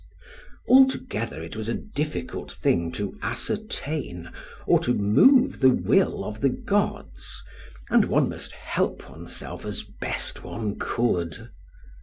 Altogether it was a difficult thing to ascertain or to move the will of the gods, and one must help oneself as best one could.